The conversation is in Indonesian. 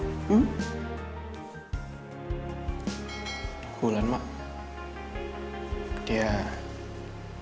awan kepada hujan yang menjadikannya tiada